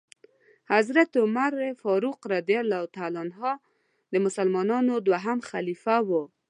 حضرت عمرفاروق رضی الله تعالی عنه د مسلمانانو دوهم خليفه وو .